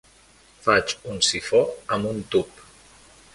Faig un sifó amb un tub.